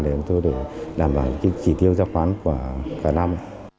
để chúng tôi đảm bảo trị tiêu ra khoán của cả năm